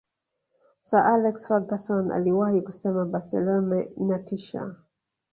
sir alex ferguson aliwahi kusema barcelona inatisha